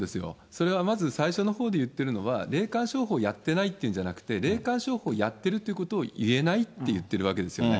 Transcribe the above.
それはまず、最初のほうで言ってるのは、霊感商法をやってないって言うんじゃなくて、霊感商法をやっているということをいえないって言ってるわけですよね。